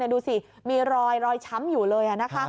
ดูสิมีรอยรอยช้ำอยู่เลย